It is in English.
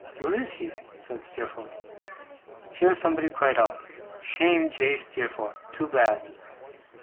where is he?' said Steerforth. Here somebody cried out, 'Shame, J. Steerforth! Too bad!